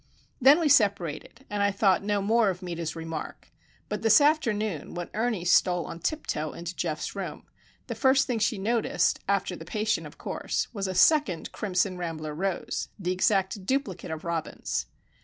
Then we separated, and I thought no more of Meta's remark; but this afternoon when Ernie stole on tiptoe into Geof's room, the first thing she noticed, after the patient, of course, was a second crimson rambler rose, the exact duplicate of Robin's.